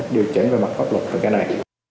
điều chỉnh về mặt pháp luật về cái này